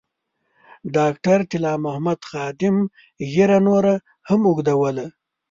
ډاکټر طلا محمد خادم ږیره نوره هم اوږدوله.